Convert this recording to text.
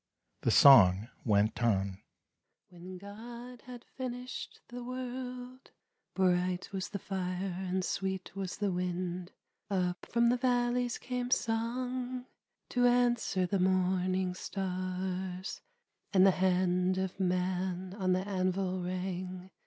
The song went on :" When God had finished the world, {Bright was the Jire and sweet was the wind) Up from the valleys came song, To answer the morning stars, And the hand of man on the anvil rang.